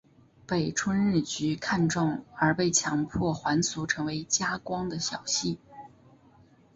被春日局看中而被强迫还俗成为家光的小姓。